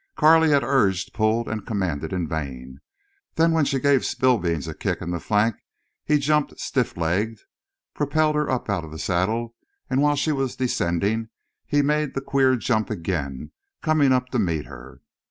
Carley had urged, pulled, and commanded in vain. Then when she gave Spillbeans a kick in the flank he jumped stiff legged, propelling her up out of the saddle, and while she was descending he made the queer jump again, coming up to meet her.